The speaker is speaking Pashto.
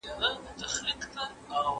¬ مځکه ئې سره کړه، د پلانۍ ئې پر شپه کړه.